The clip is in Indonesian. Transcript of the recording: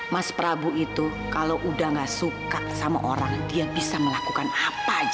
mas prabu itu kalau udah gak suka sama orang dia bisa melakukan apa aja